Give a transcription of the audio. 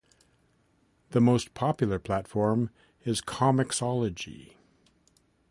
The most popular platform is comiXology.